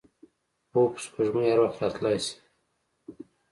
پوپ سپوږمۍ هر وخت راتلای شي.